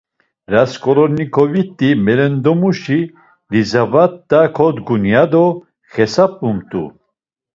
Rasǩolnikovikti melendomuşi Lizavetta kodgun, yado xesabumt̆u.